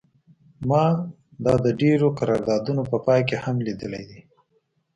ما دا د ډیرو قراردادونو په پای کې هم لیدلی دی